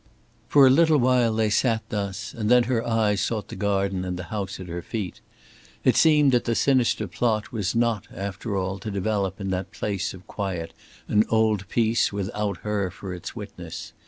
For a little while they sat thus, and then her eyes sought the garden and the house at her feet. It seemed that the sinister plot was not, after all, to develop in that place of quiet and old peace without her for its witness.